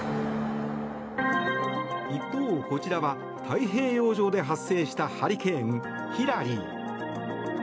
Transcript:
一方、こちらは太平洋上で発生したハリケーンヒラリー。